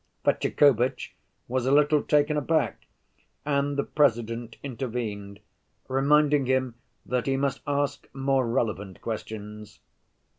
Fetyukovitch was a little taken aback, and the President intervened, reminding him that he must ask more relevant questions.